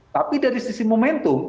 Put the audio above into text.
tapi dari sisi momentum